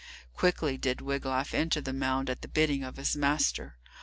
Quickly did Wiglaf enter the mound at the bidding of his master.